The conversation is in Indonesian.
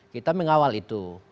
kita mengawal itu